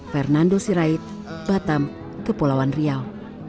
fernando sirait batam kepulauan riau